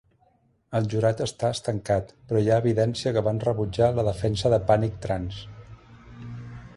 El jurat està estancat, però hi ha evidència que van rebutjar la defensa de pànic trans.